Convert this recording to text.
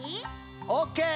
オッケー。